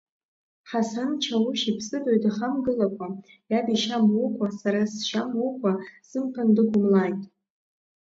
Ҳасан Чаушь иԥсыбаҩ дахамгылакәа, иаб ишьа мукәа, сара сшьа имукәа сымԥан дықәымлааит.